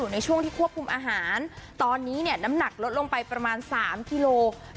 ในช่วงที่ควบคุมอาหารตอนนี้เนี่ยน้ำหนักลดลงไปประมาณ๓กิโล